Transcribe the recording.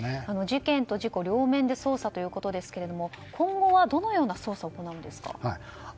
事件と事故両面で捜査ということですけれども今後はどのような捜査を行うんですか。